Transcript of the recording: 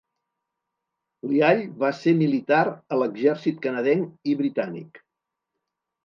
Lyall va ser militar a l'exèrcit canadenc i britànic.